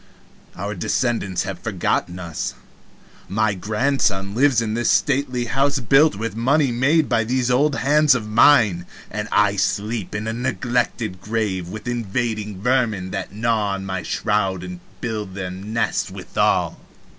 Our descendants have forgotten us. My grandson lives in a stately house built with money made by these old hands of mine, and I sleep in a neglected grave with invading vermin that gnaw my shroud to build them nests withal!